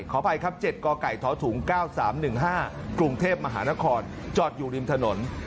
ขออภัยครับ๗กไก่ทถุง๙๓๑๕กรุงเทพมหานครจอดอยู่ริมถนน